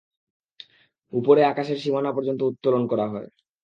উপরে আকাশের সীমানা পর্যন্ত উত্তোলন করা হয়।